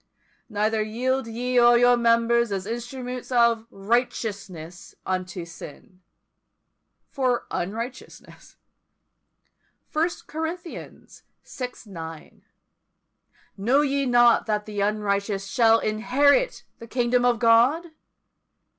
Neither yield ye your members as instruments of righteousness unto sin for unrighteousness. First Corinthians vi. 9. Know ye not that the unrighteous shall inherit the kingdom of God?